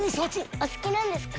お好きなんですか？